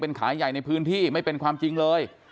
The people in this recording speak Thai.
ขายใหญ่ในพื้นที่ไม่เป็นความจริงเลย